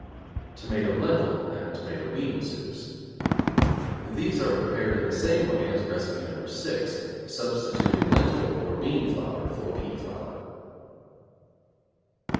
=Tomato Lentil and Tomato Bean Soups= These are prepared in the same way as Recipe No. 6, substituting lentil , or bean flour for pea flour.